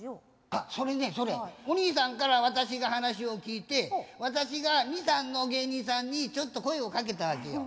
あっそれねそれお兄さんから私が話を聞いて私が２３の芸人さんにちょっと声をかけたわけよ。